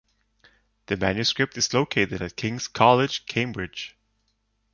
The manuscript is located at King's College, Cambridge.